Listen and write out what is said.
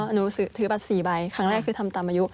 หนูถือบัตร๔ใบครั้งแรกคือทำตามอายุ